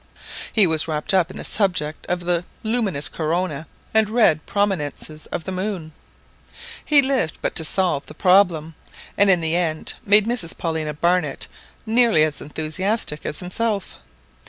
He was wrapped up in the subject of the luminous corona and red prominences of the moon; he lived but to solve the problem, and in the end made Mrs Paulina Barnett nearly as enthusiastic as himself.